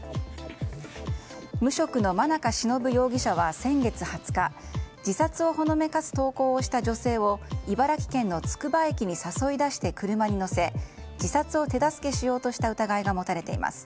無職の間中忍容疑者は先月２０日自殺をほのめかす投稿をした女性を茨城県のつくば駅に誘い出して車に乗せ自殺を手助けしようとした疑いが持たれています。